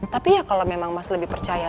tapi ya kalau memang mas lebih percaya